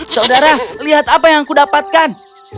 saudara lihat apa yang aku dapatkan